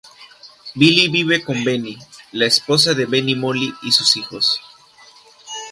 Billy vive con Benny, la esposa de Benny Molly, y sus hijos.